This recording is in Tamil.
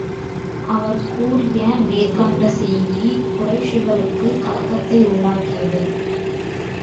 அவர் கூறிய மேற்கண்ட செய்தி குறைஷிகளுக்குக் கலக்கத்தை உண்டாக்கியது.